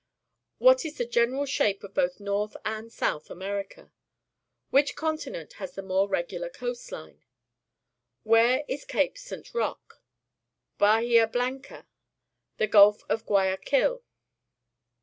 W^hat is the general shape of both North and South America? AVhich continent has the more regular coast line? Where is Cape St. Roquef Bahia Blanca? The Gulf of Guayaquil?